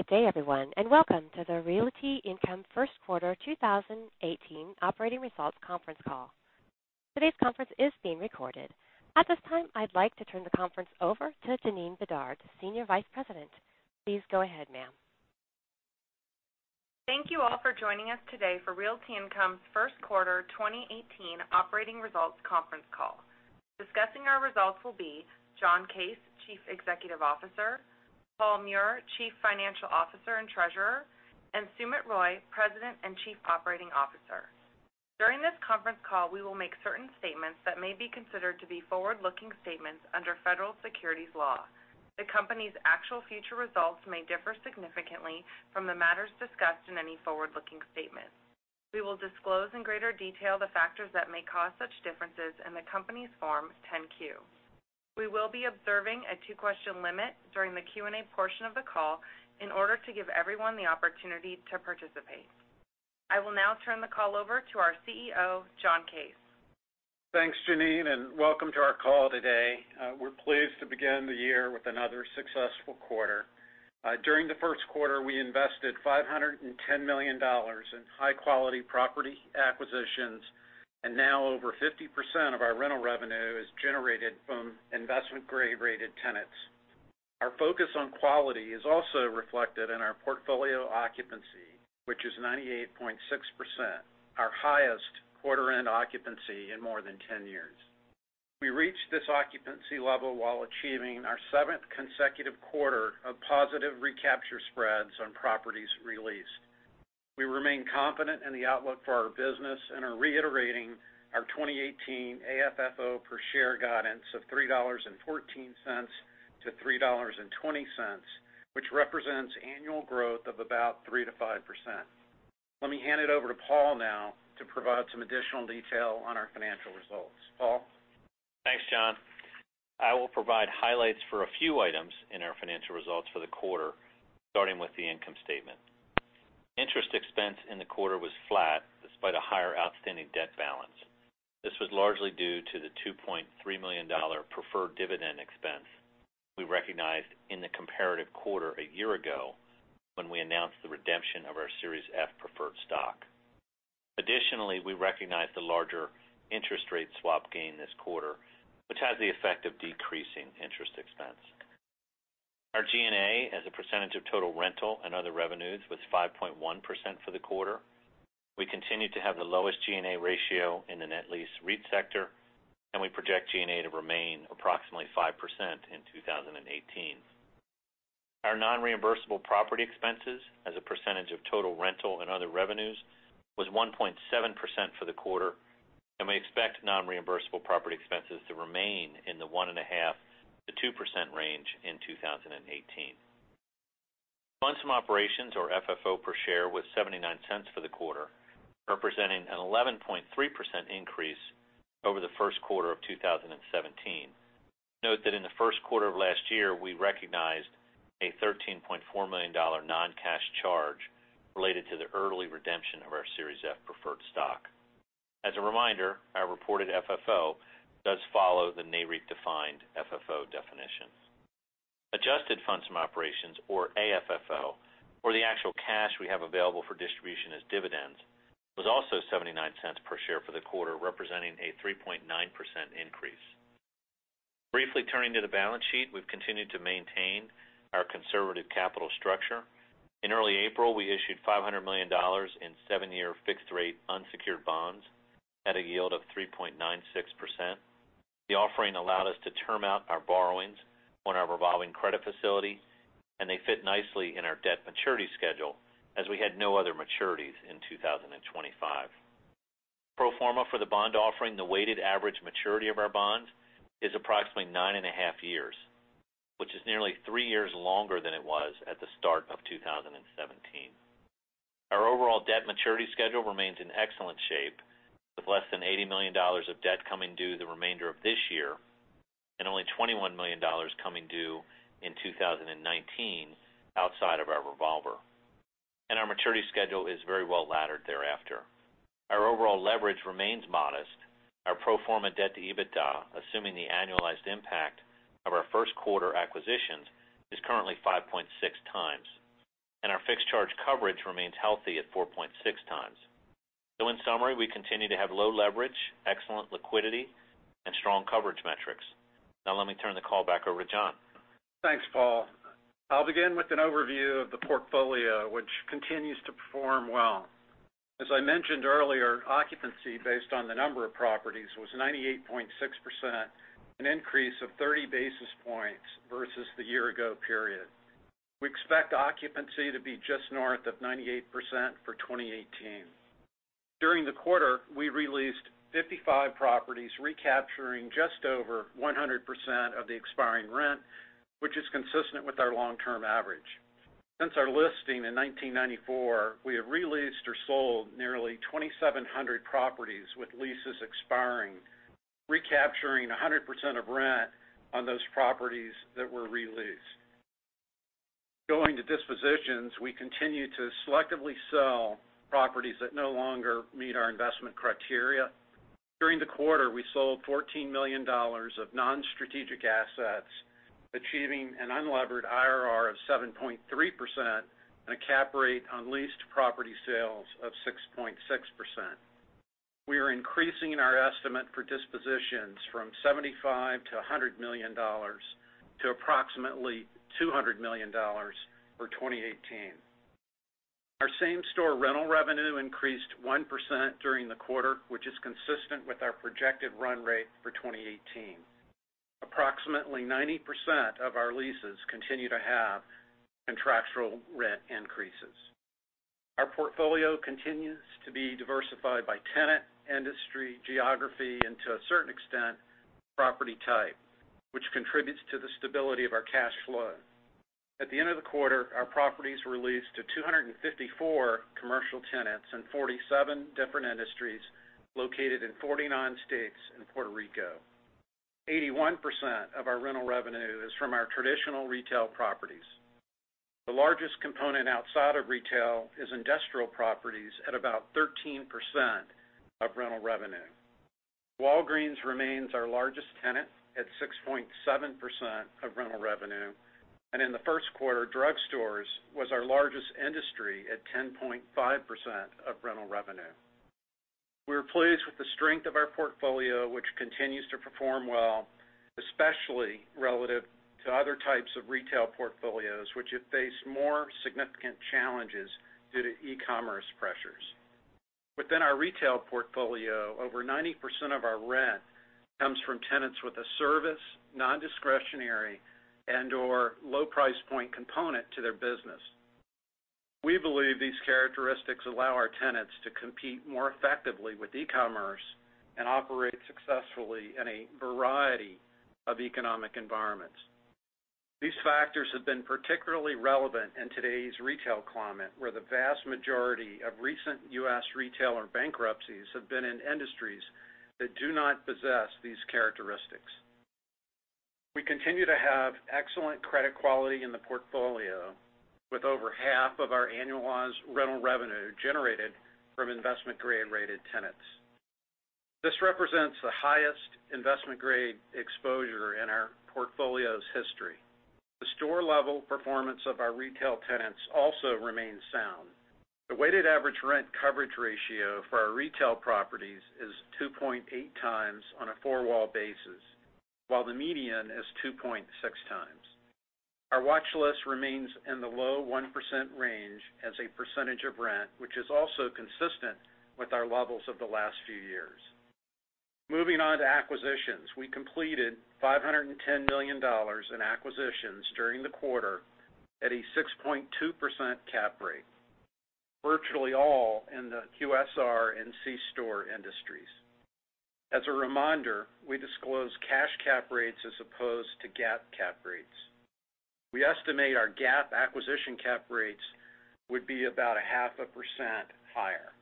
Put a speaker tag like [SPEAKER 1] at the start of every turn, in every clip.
[SPEAKER 1] Good day everyone. Welcome to the Realty Income First Quarter 2018 Operating Results Conference Call. Today's conference is being recorded. At this time, I'd like to turn the conference over to Janeen Bedard, Senior Vice President. Please go ahead, ma'am.
[SPEAKER 2] Thank you all for joining us today for Realty Income's First Quarter 2018 Operating Results Conference Call. Discussing our results will be John P. Case, Chief Executive Officer; Paul M. Meurer, Chief Financial Officer and Treasurer; and Sumit Roy, President and Chief Operating Officer. During this conference call, we will make certain statements that may be considered to be forward-looking statements under federal securities law. The company's actual future results may differ significantly from the matters discussed in any forward-looking statement. We will disclose in greater detail the factors that may cause such differences in the company's Form 10-Q. We will be observing a two-question limit during the Q&A portion of the call in order to give everyone the opportunity to participate. I will now turn the call over to our CEO, John P. Case.
[SPEAKER 3] Thanks, Janeen. Welcome to our call today. We're pleased to begin the year with another successful quarter. During the first quarter, we invested $510 million in high-quality property acquisitions, and now over 50% of our rental revenue is generated from investment-grade-rated tenants. Our focus on quality is also reflected in our portfolio occupancy, which is 98.6%, our highest quarter-end occupancy in more than 10 years. We reached this occupancy level while achieving our seventh consecutive quarter of positive recapture spreads on properties re-leased. We remain confident in the outlook for our business and are reiterating our 2018 AFFO per share guidance of $3.14-$3.20, which represents annual growth of about 3%-5%. Let me hand it over to Paul now to provide some additional detail on our financial results. Paul?
[SPEAKER 4] Thanks, John. I will provide highlights for a few items in our financial results for the quarter, starting with the income statement. Interest expense in the quarter was flat despite a higher outstanding debt balance. This was largely due to the $2.3 million preferred dividend expense we recognized in the comparative quarter a year ago, when we announced the redemption of our Series F preferred stock. Additionally, we recognized the larger interest rate swap gain this quarter, which has the effect of decreasing interest expense. Our G&A as a percentage of total rental and other revenues was 5.1% for the quarter. We continue to have the lowest G&A ratio in the net lease REIT sector. We project G&A to remain approximately 5% in 2018. Our non-reimbursable property expenses as a percentage of total rental and other revenues was 1.7% for the quarter, and we expect non-reimbursable property expenses to remain in the 1.5%-2% range in 2018. Funds from operations, or FFO per share, was $0.79 for the quarter, representing an 11.3% increase over the first quarter of 2017. Note that in the first quarter of last year, we recognized a $13.4 million non-cash charge related to the early redemption of our Series F preferred stock. As a reminder, our reported FFO does follow the Nareit-defined FFO definition. Adjusted funds from operations, or AFFO, or the actual cash we have available for distribution as dividends, was also $0.79 per share for the quarter, representing a 3.9% increase. Briefly turning to the balance sheet, we've continued to maintain our conservative capital structure. In early April, we issued $500 million in seven-year fixed-rate unsecured bonds at a yield of 3.96%. The offering allowed us to term out our borrowings on our revolving credit facility, and they fit nicely in our debt maturity schedule, as we had no other maturities in 2025. Pro forma for the bond offering, the weighted average maturity of our bonds is approximately nine and a half years, which is nearly three years longer than it was at the start of 2017. Our overall debt maturity schedule remains in excellent shape, with less than $80 million of debt coming due the remainder of this year, and only $21 million coming due in 2019 outside of our revolver. Our maturity schedule is very well-laddered thereafter. Our overall leverage remains modest. Our pro forma debt to EBITDA, assuming the annualized impact of our first quarter acquisitions, is currently 5.6 times, and our fixed charge coverage remains healthy at 4.6 times. In summary, we continue to have low leverage, excellent liquidity, and strong coverage metrics. Now let me turn the call back over to John.
[SPEAKER 3] Thanks, Paul. I'll begin with an overview of the portfolio, which continues to perform well. As I mentioned earlier, occupancy based on the number of properties was 98.6%, an increase of 30 basis points versus the year-ago period. We expect occupancy to be just north of 98% for 2018. During the quarter, we re-leased 55 properties, recapturing just over 100% of the expiring rent, which is consistent with our long-term average. Since our listing in 1994, we have re-leased or sold nearly 2,700 properties with leases expiring, recapturing 100% of rent on those properties that were re-leased. Going to dispositions, we continue to selectively sell properties that no longer meet our investment criteria. During the quarter, we sold $14 million of non-strategic assets, achieving an unlevered IRR of 7.3% and a cap rate on leased property sales of 6.6%. We are increasing our estimate for dispositions from $75 million-$100 million to approximately $200 million for 2018. Our same-store rental revenue increased 1% during the quarter, which is consistent with our projected run rate for 2018. Approximately 90% of our leases continue to have contractual rent increases. Our portfolio continues to be diversified by tenant, industry, geography, and to a certain extent, property type, which contributes to the stability of our cash flow. At the end of the quarter, our properties were leased to 254 commercial tenants in 47 different industries, located in 49 states and Puerto Rico. 81% of our rental revenue is from our traditional retail properties. The largest component outside of retail is industrial properties at about 13% of rental revenue. Walgreens remains our largest tenant at 6.7% of rental revenue. In the first quarter, drugstores was our largest industry at 10.5% of rental revenue. We are pleased with the strength of our portfolio, which continues to perform well, especially relative to other types of retail portfolios, which have faced more significant challenges due to e-commerce pressures. Within our retail portfolio, over 90% of our rent comes from tenants with a service, non-discretionary, and/or low price point component to their business. We believe these characteristics allow our tenants to compete more effectively with e-commerce and operate successfully in a variety of economic environments. These factors have been particularly relevant in today's retail climate, where the vast majority of recent U.S. retailer bankruptcies have been in industries that do not possess these characteristics. We continue to have excellent credit quality in the portfolio, with over half of our annualized rental revenue generated from investment-grade-rated tenants. This represents the highest investment-grade exposure in our portfolio's history. The store-level performance of our retail tenants also remains sound. The weighted average rent coverage ratio for our retail properties is 2.8 times on a four-wall basis, while the median is 2.6 times. Our watch list remains in the low 1% range as a percentage of rent, which is also consistent with our levels of the last few years. Moving on to acquisitions. We completed $510 million in acquisitions during the quarter at a 6.2% cap rate, virtually all in the QSR and c-store industries. As a reminder, we disclose cash cap rates as opposed to GAAP cap rates. We estimate our GAAP acquisition cap rates would be about a half a percent higher.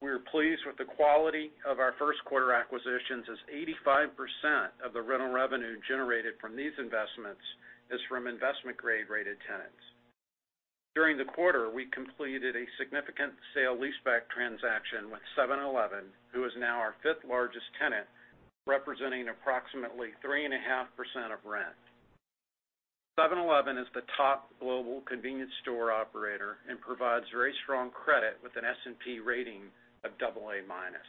[SPEAKER 3] We are pleased with the quality of our first quarter acquisitions, as 85% of the rental revenue generated from these investments is from investment-grade-rated tenants. During the quarter, we completed a significant sale leaseback transaction with 7-Eleven, who is now our fifth-largest tenant, representing approximately 3.5% of rent. 7-Eleven is the top global convenience store operator and provides very strong credit with an S&P rating of double A minus.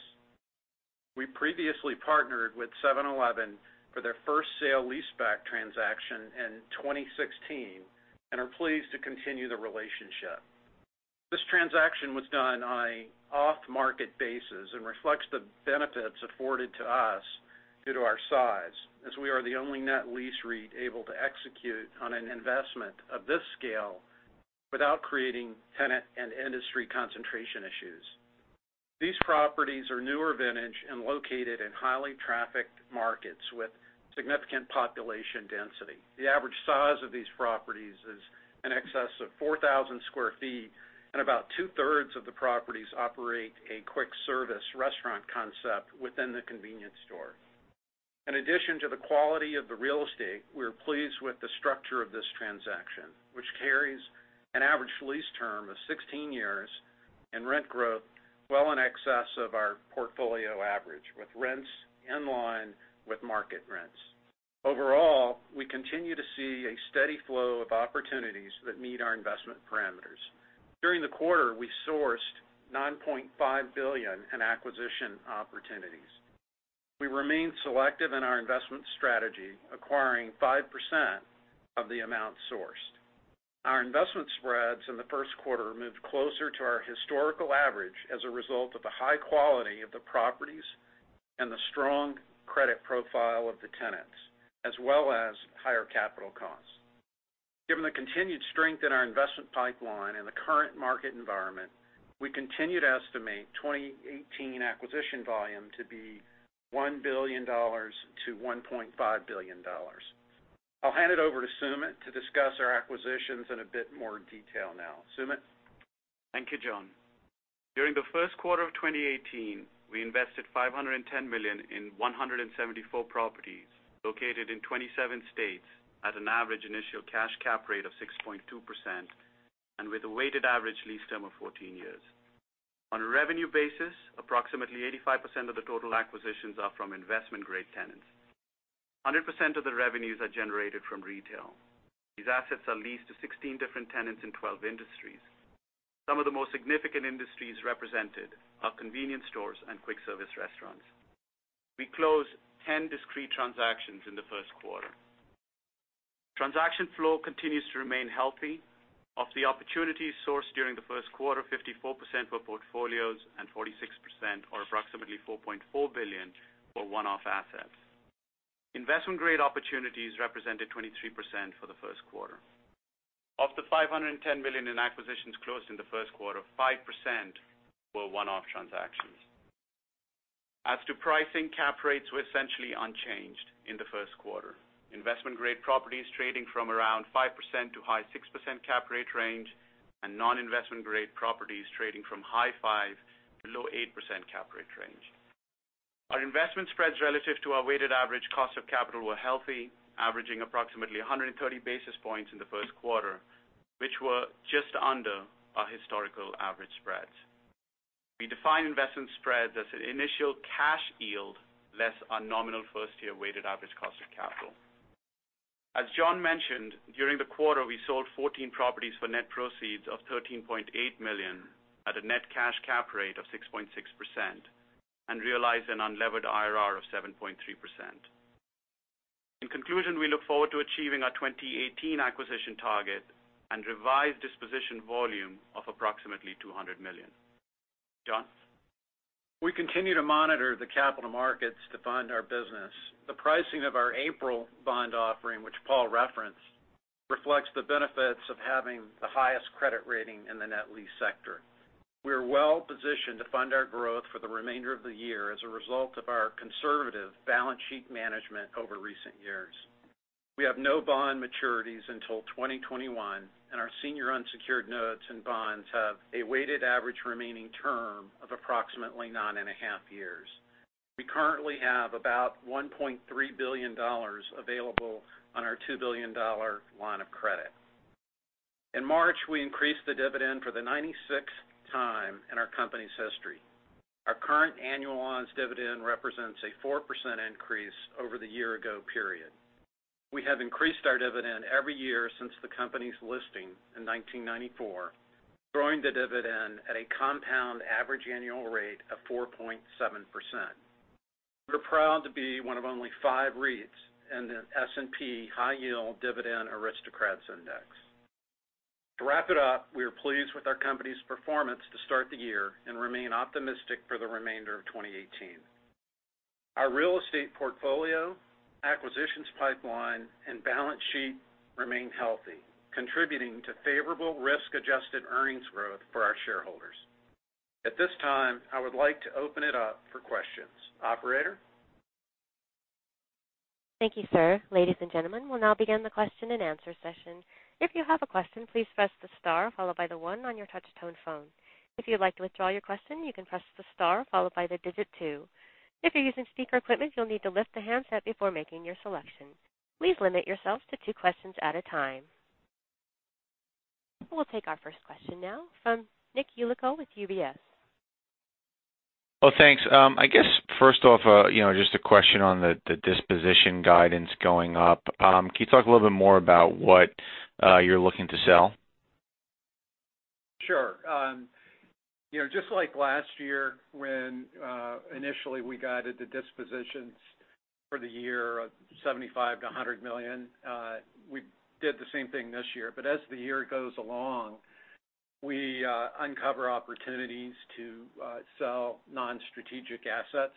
[SPEAKER 3] We previously partnered with 7-Eleven for their first sale leaseback transaction in 2016 and are pleased to continue the relationship. This transaction was done on an off-market basis and reflects the benefits afforded to us due to our size, as we are the only net lease REIT able to execute on an investment of this scale without creating tenant and industry concentration issues. These properties are newer vintage and located in highly trafficked markets with significant population density. The average size of these properties is in excess of 4,000 sq ft, and about two-thirds of the properties operate a quick service restaurant concept within the convenience store. In addition to the quality of the real estate, we're pleased with the structure of this transaction, which carries an average lease term of 16 years and rent growth well in excess of our portfolio average, with rents in line with market rents. Overall, we continue to see a steady flow of opportunities that meet our investment parameters. During the quarter, we sourced $9.5 billion in acquisition opportunities. We remain selective in our investment strategy, acquiring 5% of the amount sourced. Our investment spreads in the first quarter moved closer to our historical average as a result of the high quality of the properties and the strong credit profile of the tenants, as well as higher capital costs. Given the continued strength in our investment pipeline and the current market environment, we continue to estimate 2018 acquisition volume to be $1 billion-$1.5 billion. I'll hand it over to Sumit to discuss our acquisitions in a bit more detail now. Sumit?
[SPEAKER 5] Thank you, John. During the first quarter of 2018, we invested $510 million in 174 properties located in 27 states at an average initial cash cap rate of 6.2%. And with a weighted average lease term of 14 years. On a revenue basis, approximately 85% of the total acquisitions are from investment-grade tenants. 100% of the revenues are generated from retail. These assets are leased to 16 different tenants in 12 industries. Some of the most significant industries represented are convenience stores and quick service restaurants. We closed 10 discrete transactions in the first quarter. Transaction flow continues to remain healthy. Of the opportunities sourced during the first quarter, 54% were portfolios and 46%, or approximately $4.4 billion, were one-off assets. Investment-grade opportunities represented 23% for the first quarter. Of the $510 million in acquisitions closed in the first quarter, 5% were one-off transactions. As to pricing, cap rates were essentially unchanged in the first quarter. Investment-grade properties trading from around 5%-high 6% cap rate range, and non-investment grade properties trading from high 5%-low 8% cap rate range. Our investment spreads relative to our weighted average cost of capital were healthy, averaging approximately 130 basis points in the first quarter, which were just under our historical average spreads. We define investment spreads as an initial cash yield less our nominal first-year weighted average cost of capital. As John mentioned, during the quarter, we sold 14 properties for net proceeds of $13.8 million at a net cash cap rate of 6.6% and realized an unlevered IRR of 7.3%. In conclusion, we look forward to achieving our 2018 acquisition target and revised disposition volume of approximately $200 million. John?
[SPEAKER 3] We continue to monitor the capital markets to fund our business. The pricing of our April bond offering, which Paul referenced, reflects the benefits of having the highest credit rating in the net lease sector. We're well-positioned to fund our growth for the remainder of the year as a result of our conservative balance sheet management over recent years. We have no bond maturities until 2021, and our senior unsecured notes and bonds have a weighted average remaining term of approximately nine and a half years. We currently have about $1.3 billion available on our $2 billion line of credit. In March, we increased the dividend for the 96th time in our company's history. Our current [annualized] dividend represents a 4% increase over the year-ago period. We have increased our dividend every year since the company's listing in 1994, growing the dividend at a compound average annual rate of 4.7%. We're proud to be one of only five REITs in the S&P High Yield Dividend Aristocrats Index. To wrap it up, we are pleased with our company's performance to start the year and remain optimistic for the remainder of 2018. Our real estate portfolio, acquisitions pipeline, and balance sheet remain healthy, contributing to favorable risk-adjusted earnings growth for our shareholders. At this time, I would like to open it up for questions. Operator?
[SPEAKER 1] Thank you, sir. Ladies and gentlemen, we'll now begin the question and answer session. If you have a question, please press the star followed by the one on your touch tone phone. If you'd like to withdraw your question, you can press the star followed by the digit two. If you're using speaker equipment, you'll need to lift the handset before making your selection. Please limit yourselves to two questions at a time. We'll take our first question now from Nick Yulico with UBS.
[SPEAKER 6] Well, thanks. I guess first off, just a question on the disposition guidance going up. Can you talk a little bit more about what you're looking to sell?
[SPEAKER 3] Sure. Just like last year when initially we guided the dispositions for the year of $75 million-$100 million, we did the same thing this year. As the year goes along, we uncover opportunities to sell non-strategic assets.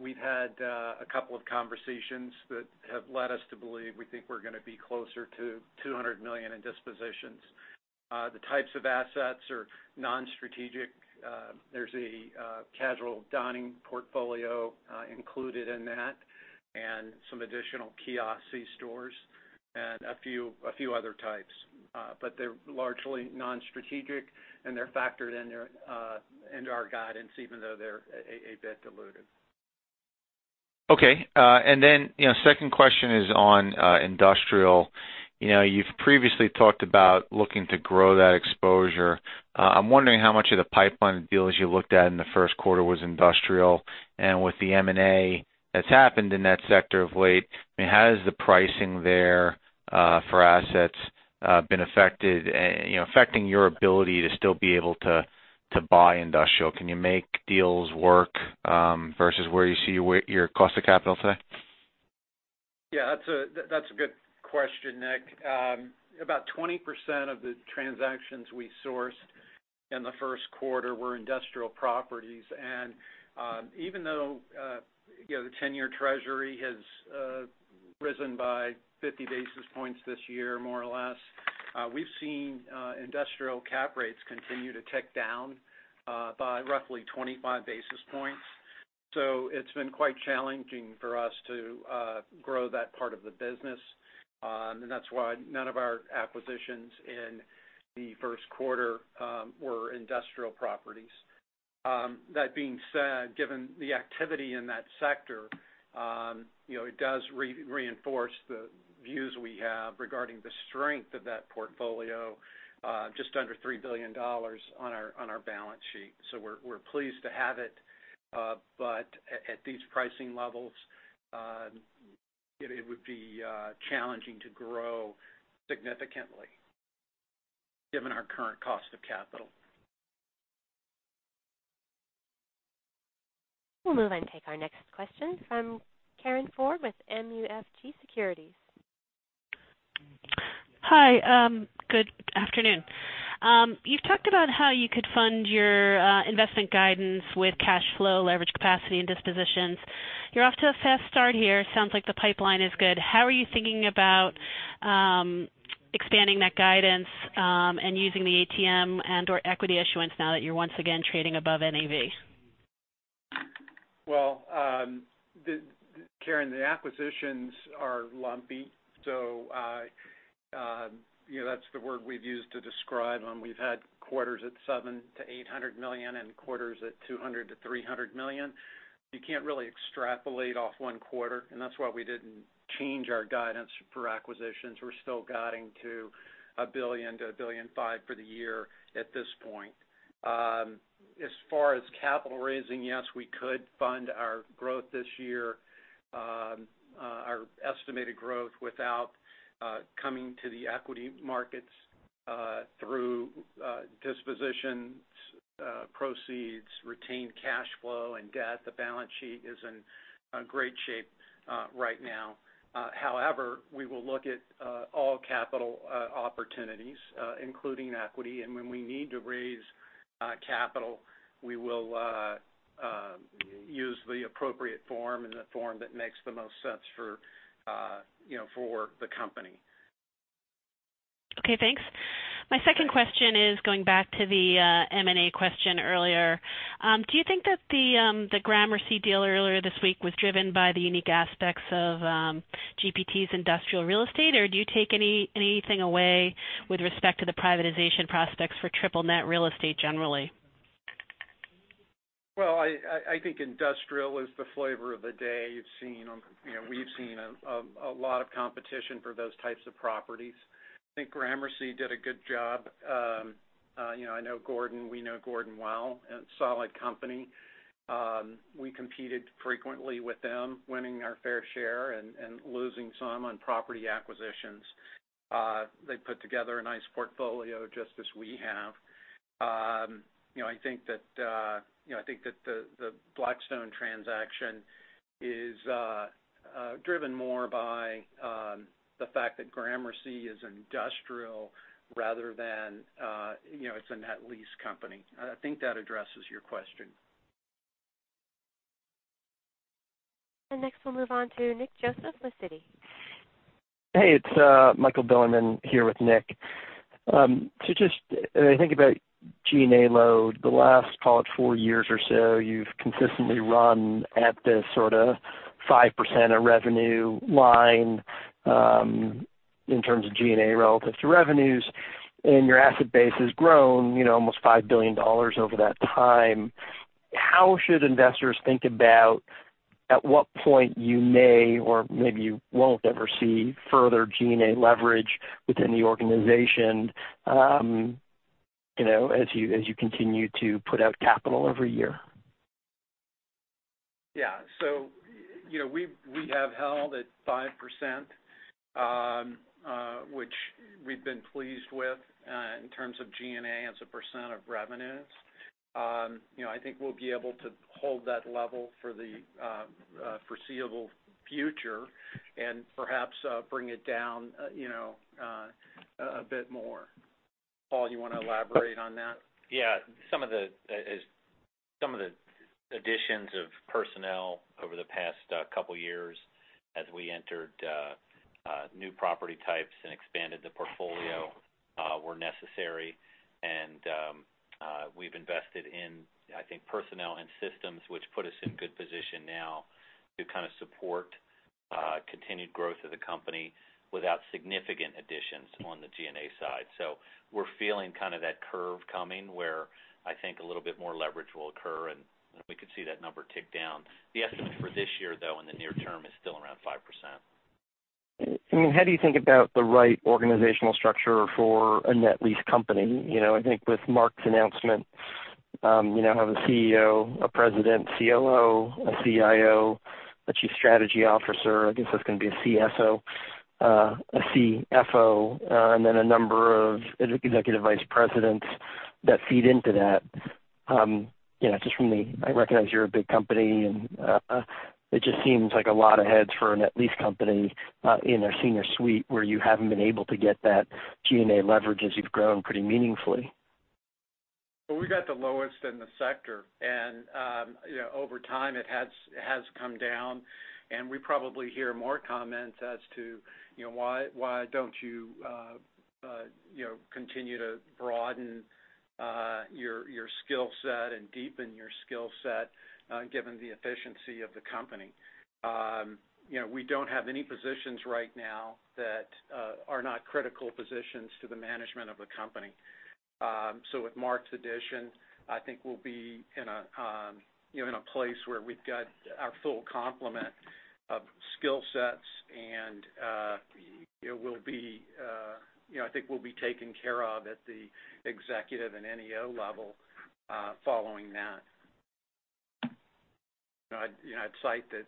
[SPEAKER 3] We've had a couple of conversations that have led us to believe we think we're going to be closer to $200 million in dispositions. The types of assets are non-strategic. There's a casual dining portfolio included in that and some additional kiosk stores and a few other types. They're largely non-strategic, and they're factored into our guidance, even though they're a bit diluted.
[SPEAKER 6] Okay. Second question is on industrial. You've previously talked about looking to grow that exposure. I'm wondering how much of the pipeline deals you looked at in the first quarter was industrial, and with the M&A that's happened in that sector of late, how has the pricing there for assets been affecting your ability to still be able to buy industrial? Can you make deals work versus where you see your cost of capital today?
[SPEAKER 3] Yeah, that's a good question, Nick. About 20% of the transactions we sourced in the first quarter were industrial properties. Even though the 10-year Treasury has risen by 50 basis points this year, more or less, we've seen industrial cap rates continue to tick down by roughly 25 basis points. It's been quite challenging for us to grow that part of the business. That's why none of our acquisitions in the first quarter were industrial properties. That being said, given the activity in that sector, it does reinforce the views we have regarding the strength of that portfolio, just under $3 billion on our balance sheet. We're pleased to have it. At these pricing levels, it would be challenging to grow significantly given our current cost of capital.
[SPEAKER 1] We'll move and take our next question from Karin Ford with MUFG Securities.
[SPEAKER 7] Hi. Good afternoon. You've talked about how you could fund your investment guidance with cash flow, leverage capacity, and dispositions. You're off to a fast start here. Sounds like the pipeline is good. How are you thinking about expanding that guidance, and using the ATM and/or equity issuance now that you're once again trading above NAV?
[SPEAKER 3] Well, Karin, the acquisitions are lumpy. That's the word we've used to describe them. We've had quarters at $700 million to $800 million and quarters at $200 million to $300 million. You can't really extrapolate off one quarter, and that's why we didn't change our guidance for acquisitions. We're still guiding to $1 billion-$1.5 billion for the year at this point. As far as capital raising, yes, we could fund our growth this year, our estimated growth, without coming to the equity markets through dispositions, proceeds, retained cash flow, and debt. The balance sheet is in great shape right now. However, we will look at all capital opportunities, including equity. When we need to raise capital, we will use the appropriate form and the form that makes the most sense for the company.
[SPEAKER 7] Okay, thanks. My second question is going back to the M&A question earlier. Do you think that the Gramercy deal earlier this week was driven by the unique aspects of GPT's industrial real estate, or do you take anything away with respect to the privatization prospects for triple net real estate generally?
[SPEAKER 3] Well, I think industrial is the flavor of the day. We've seen a lot of competition for those types of properties. I think Gramercy did a good job. We know Gordon well. A solid company. We competed frequently with them, winning our fair share and losing some on property acquisitions. They put together a nice portfolio, just as we have. I think that the Blackstone transaction is driven more by the fact that Gramercy is industrial rather than it's a net lease company. I think that addresses your question.
[SPEAKER 1] Next we'll move on to Nicholas Joseph with Citi.
[SPEAKER 8] Hey, it's Michael Bilerman here with Nick. Just when I think about G&A load, the last, call it four years or so, you've consistently run at this sort of 5% of revenue line, in terms of G&A relative to revenues. Your asset base has grown almost $5 billion over that time. How should investors think about at what point you may or maybe you won't ever see further G&A leverage within the organization as you continue to put out capital every year?
[SPEAKER 3] Yeah. We have held at 5%, which we've been pleased with in terms of G&A as a percent of revenues. I think we'll be able to hold that level for the foreseeable future and perhaps bring it down a bit more. Paul, you want to elaborate on that?
[SPEAKER 4] Yeah. Some of the additions of personnel over the past couple of years as we entered new property types and expanded the portfolio were necessary. We've invested in, I think, personnel and systems which put us in good position now to kind of support continued growth of the company without significant additions on the G&A side. We're feeling kind of that curve coming, where I think a little bit more leverage will occur, and we could see that number tick down. The estimate for this year, though, in the near term, is still around 5%.
[SPEAKER 8] How do you think about the right organizational structure for a net lease company? I think with Mark's announcement, you now have a CEO, a President, COO, a CIO, a Chief Strategy Officer. I guess there's going to be a CSO, a CFO, and then a number of executive vice presidents that feed into that. I recognize you're a big company, and it just seems like a lot of heads for a net lease company in their senior suite where you haven't been able to get that G&A leverage as you've grown pretty meaningfully.
[SPEAKER 3] Well, we've got the lowest in the sector. Over time, it has come down, and we probably hear more comments as to why don't you continue to broaden your skill set and deepen your skill set, given the efficiency of the company. We don't have any positions right now that are not critical positions to the management of the company. With Mark's addition, I think we'll be in a place where we've got our full complement of skill sets, and I think we'll be taken care of at the executive and NEO level following that. I'd cite that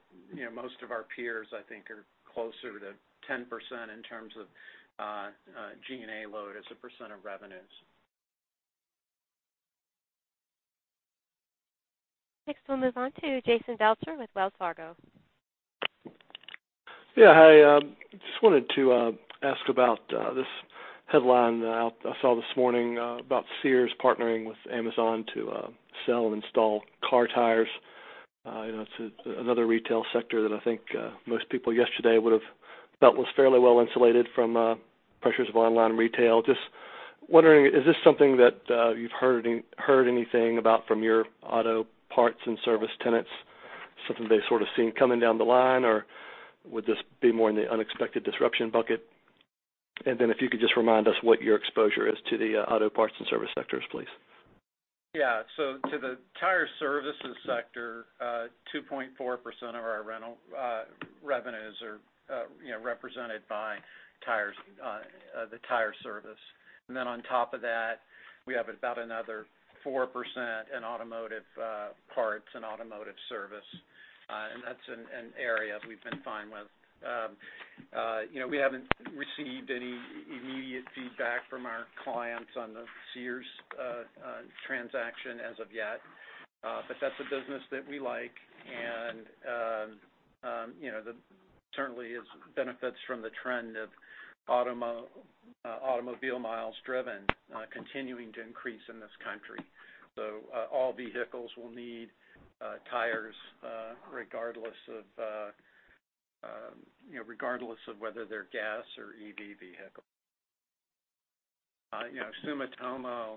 [SPEAKER 3] most of our peers, I think are closer to 10% in terms of G&A load as a percent of revenues.
[SPEAKER 1] Next, we'll move on to Jason Geltzer with Wells Fargo.
[SPEAKER 9] Yeah, hi. Just wanted to ask about this headline that I saw this morning about Sears partnering with Amazon to sell and install car tires. It's another retail sector that I think most people yesterday would've felt was fairly well-insulated from pressures of online retail. Just wondering, is this something that you've heard anything about from your auto parts and service tenants? Something they've sort of seen coming down the line, or would this be more in the unexpected disruption bucket? Then if you could just remind us what your exposure is to the auto parts and service sectors, please.
[SPEAKER 3] To the tire services sector, 2.4% of our rental revenues are represented by the tire service. Then on top of that, we have about another 4% in automotive parts and automotive service. That's an area we've been fine with. We haven't received any immediate feedback from our clients on the Sears transaction as of yet. That's a business that we like, and certainly it benefits from the trend of automobile miles driven continuing to increase in this country. All vehicles will need tires, regardless of whether they're gas or EV vehicles. Sumitomo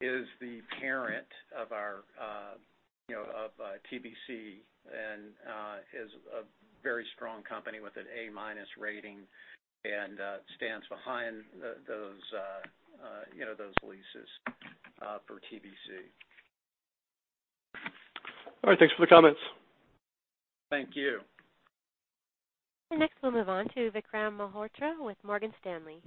[SPEAKER 3] is the parent of TBC and is a very strong company with an A-minus rating, and stands behind those leases for TBC.
[SPEAKER 9] Thanks for the comments.
[SPEAKER 3] Thank you.
[SPEAKER 1] Next, we'll move on to Vikram Malhotra with Morgan Stanley.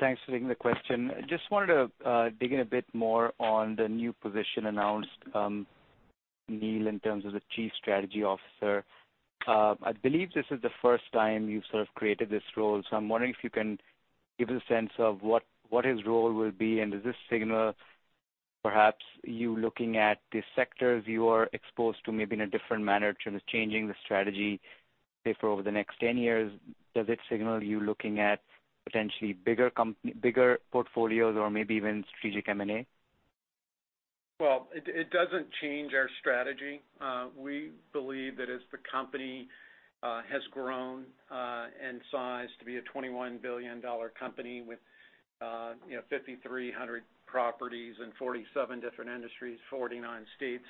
[SPEAKER 10] Thanks for taking the question. Just wanted to dig in a bit more on the new position announced, Neil, in terms of the Chief Strategy Officer. I believe this is the first time you've sort of created this role, so I'm wondering if you can give a sense of what his role will be, and does this signal perhaps you looking at the sectors you are exposed to, maybe in a different manner in terms of changing the strategy, say, for over the next 10 years? Does it signal you looking at potentially bigger portfolios or maybe even strategic M&A?
[SPEAKER 3] It doesn't change our strategy. We believe that as the company has grown in size to be a $21 billion company with 5,300 properties in 47 different industries, 49 states,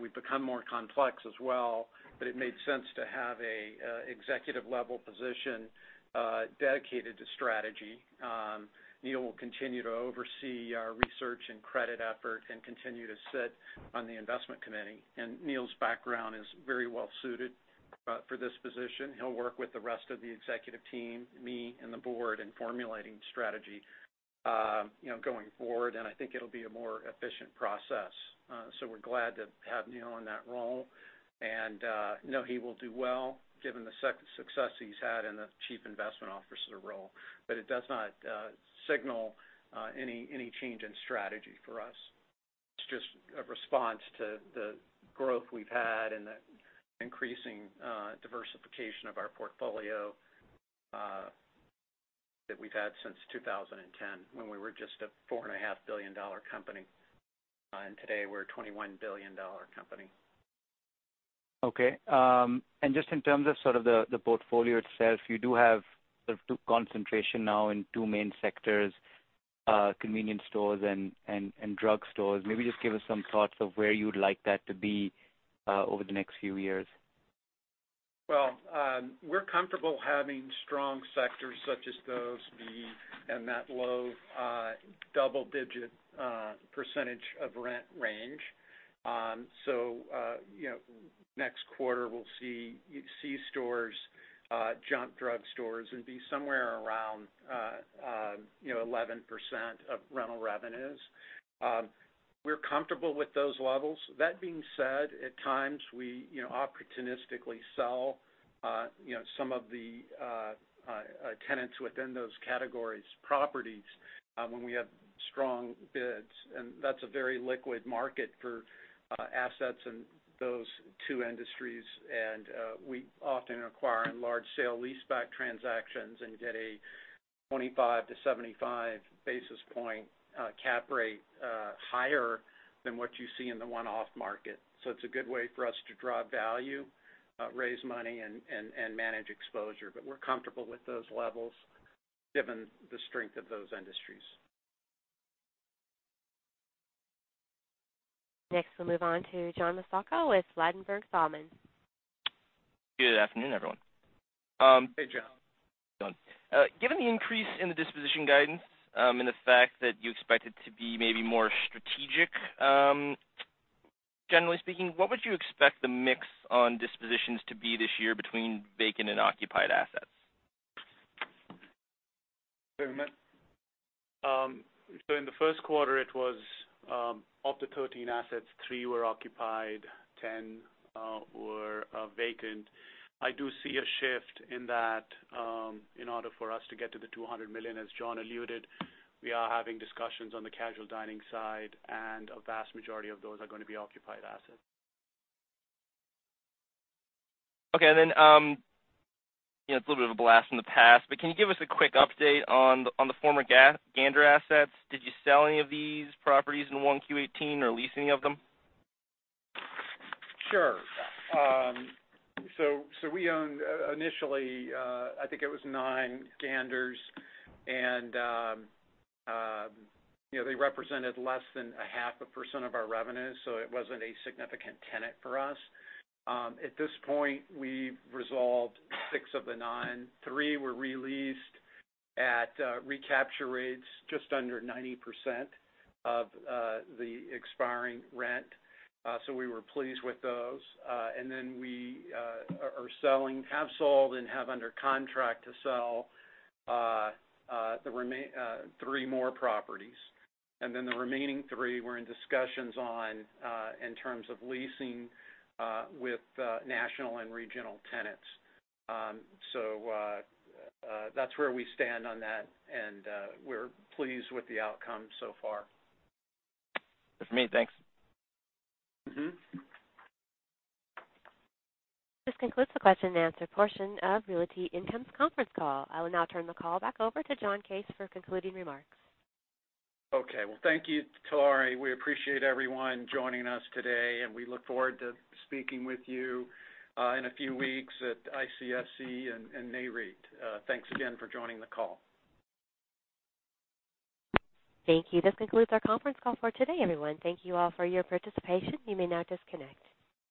[SPEAKER 3] we've become more complex as well, but it made sense to have an executive-level position dedicated to strategy. Neil will continue to oversee our research and credit effort and continue to sit on the investment committee. Neil's background is very well-suited for this position. He'll work with the rest of the executive team, me and the board in formulating strategy going forward. I think it'll be a more efficient process. We're glad to have Neil in that role, and know he will do well given the success he's had in the Chief Investment Officer role. It does not signal any change in strategy for us. It's just a response to the growth we've had and the increasing diversification of our portfolio that we've had since 2010, when we were just a $4.5 billion company. Today we're a $21 billion company.
[SPEAKER 10] Okay. Just in terms of sort of the portfolio itself, you do have sort of two concentration now in two main sectors, convenience stores and drugstores. Maybe just give us some thoughts of where you'd like that to be over the next few years.
[SPEAKER 3] Well, we're comfortable having strong sectors such as those be in that low double-digit % of rent range. Next quarter, we'll see C-stores, drugstores be somewhere around 11% of rental revenues. We're comfortable with those levels. That being said, at times we opportunistically sell some of the tenants within those categories' properties, when we have strong bids. That's a very liquid market for assets in those two industries, and we often acquire in large sale-leaseback transactions and get a 25 to 75 basis points cap rate higher than what you see in the one-off market. It's a good way for us to draw value, raise money, and manage exposure. We're comfortable with those levels given the strength of those industries.
[SPEAKER 1] Next, we'll move on to John Massocca with Ladenburg Thalmann.
[SPEAKER 11] Good afternoon, everyone.
[SPEAKER 3] Hey, John.
[SPEAKER 11] John. Given the increase in the disposition guidance, the fact that you expect it to be maybe more strategic, generally speaking, what would you expect the mix on dispositions to be this year between vacant and occupied assets?
[SPEAKER 3] Sure, Sumit.
[SPEAKER 5] In the first quarter, it was of the 13 assets, three were occupied, 10 were vacant. I do see a shift in that in order for us to get to the $200 million, as John alluded, we are having discussions on the casual dining side, a vast majority of those are going to be occupied assets.
[SPEAKER 11] Okay. Then, it's a little bit of a blast from the past, but can you give us a quick update on the former Gander assets? Did you sell any of these properties in 1Q18 or lease any of them?
[SPEAKER 3] Sure. We owned initially, I think it was nine Ganders, they represented less than a half a percent of our revenue, it wasn't a significant tenant for us. At this point, we've resolved six of the nine. Three were re-leased at recapture rates just under 90% of the expiring rent. We were pleased with those. We are selling, have sold, and have under contract to sell three more properties. The remaining three we're in discussions on in terms of leasing with national and regional tenants. That's where we stand on that, and we're pleased with the outcome so far.
[SPEAKER 11] That's me. Thanks.
[SPEAKER 1] This concludes the question and answer portion of Realty Income's conference call. I will now turn the call back over to John Case for concluding remarks.
[SPEAKER 3] Okay. Thank you, Tori. We appreciate everyone joining us today, we look forward to speaking with you in a few weeks at ICSC and Nareit. Thanks again for joining the call.
[SPEAKER 1] Thank you. This concludes our conference call for today, everyone. Thank you all for your participation. You may now disconnect.